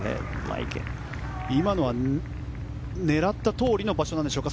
今のは、狙ったとおりの場所なんでしょうか。